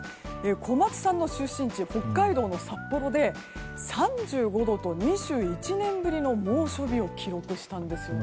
小松さんの出身地北海道の札幌で３５度と２１年ぶりの猛暑日を記録したんですよね。